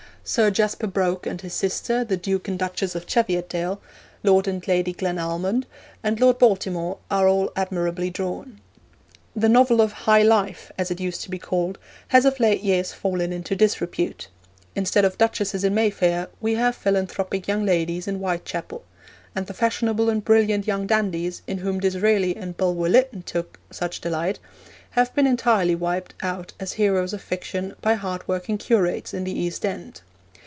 Sir Jasper Broke and his sister, the Duke and Duchess of Cheviotdale, Lord and Lady Glenalmond, and Lord Baltimore, are all admirably drawn. The 'novel of high life,' as it used to be called, has of late years fallen into disrepute. Instead of duchesses in Mayfair, we have philanthropic young ladies in Whitechapel; and the fashionable and brilliant young dandies, in whom Disraeli and Bulwer Lytton took such delight, have been entirely wiped out as heroes of fiction by hardworking curates in the East End.